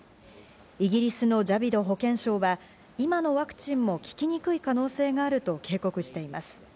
イギリスのジャビド保健相は、今のワクチンも効きにくい可能性があると警告しています。